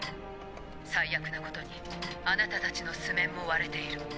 最悪なことにあなたたちの素面も割れている。